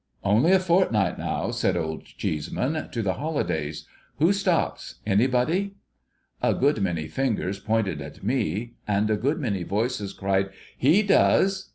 ' Only a fortnight now,' said Old Cheeseman, ' to the holidays. Who stops ? Anybody ?' A good many fingers pointed at me, and a good many voices cried 'He does!'